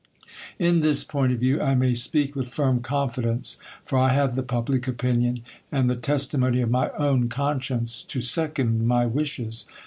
In this point of view, I may speak with firm confidence ; for I have the public opinion, and the testimony of my own con science, to second my wishes.